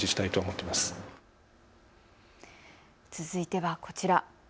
続いてはこちら。